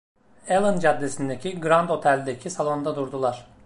Allen Caddesi’ndeki Grand Otel’deki salonda durdular.